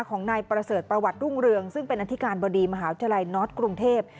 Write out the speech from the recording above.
ของนายประเสริฐประวัติรุ่งเรืองซึ่งเป็นอธิการบดีมหาวิทยาลัยน็อตกรุงเทพ